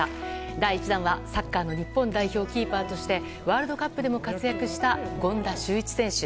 第１弾は、サッカーの日本代表キーパーとしてワールドカップでも活躍した権田修一選手。